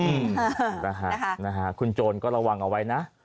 อืมนะฮะคุณโจรก็ระวังเอาไว้นะ